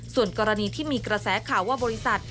ส่วนกรณีที่มีกระแสข่าวว่าบริษัท